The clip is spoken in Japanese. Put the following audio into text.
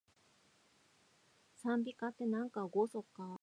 讃美歌って、なんかおごそかー